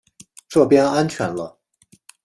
这边安全了